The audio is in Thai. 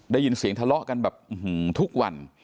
ได้ยินเสียงทะเลาะกันแบบทุกวัน